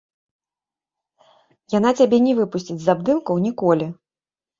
Яна цябе не выпусціць з абдымкаў ніколі.